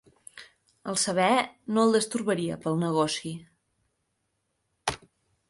El saber, no el destorbaria pel negoci.